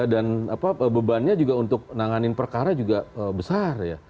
dan bebannya untuk menangani perkara juga besar